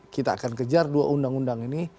kita akan kejar dua undang undang ini